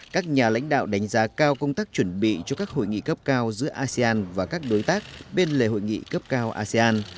các nhà lãnh đạo đánh giá cao công tác chuẩn bị cho các hội nghị cấp cao giữa asean và các đối tác bên lề hội nghị cấp cao asean